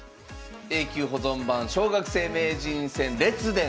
「永久保存版小学生名人戦列伝」。